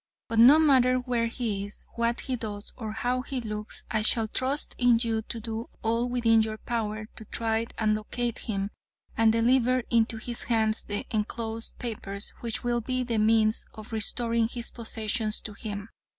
But no matter where he is, what he does, or how he looks, I shall trust in you to do all within your power to try and locate him, and deliver into his hands the enclosed papers, which will be the means of restoring his possessions to him.